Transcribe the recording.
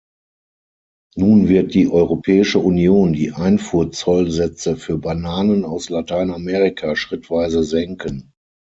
Nun wird die Europäische Union die Einfuhrzollsätze für Bananen aus Lateinamerika schrittweise senken.